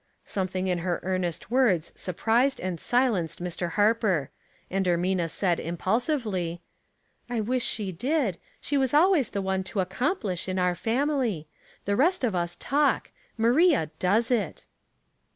Something in her earnest words surprised and silenced Mr. Harper; and Ermina said, impulsively, — A Protector, 263 " I wish she did ; she \\;as always the one to accomplish in our family. The rest of us talk — Maria does it."